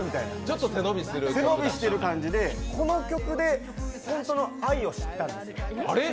ちょっと背伸びしてる感じでこの曲で本当の愛を知ったんです。